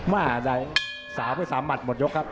มาใด๓มัตต์หมดยกครับ